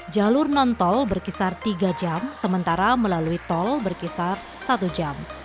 jalur non tol berkisar tiga jam sementara melalui tol berkisar satu jam